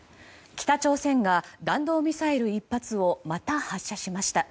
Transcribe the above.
北朝鮮が弾道ミサイル１発をまた、発射しました。